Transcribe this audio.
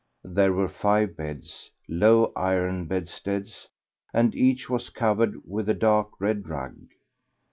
There were five beds low iron bedsteads and each was covered with a dark red rug.